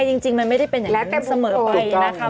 ยังไงจริงมันไม่ได้เป็นอย่างนั้นเสมอไปนะครับถูกต้อง